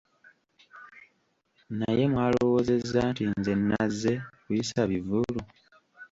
Naye mwalowoozezza nti nze nazze kuyisa bivvulu?